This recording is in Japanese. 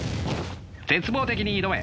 絶望的に挑め！